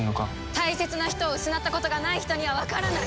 大切な人を失ったことがない人にはわからない。